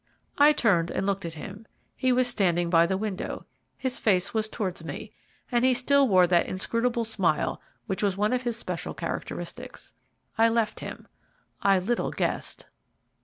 I turned and looked at him. He was standing by the window, his face was towards me, and he still wore that inscrutable smile which was one of his special characteristics. I left him. I little guessed